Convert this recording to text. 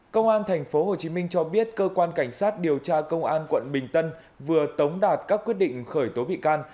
công an tp hcm cho biết cơ quan cảnh sát điều tra công an quận bình tân vừa tống đạt các quyết định khởi tố bị can